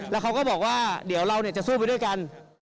แล้วเขาก็บอกว่าเดี๋ยวเราจะสู้ไปด้วยกัน